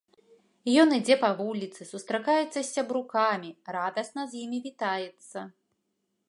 Ён ідзе па вуліцы, сустракаецца з сябрукамі, радасна з імі вітаецца.